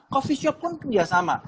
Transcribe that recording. coffee shop pun ya sama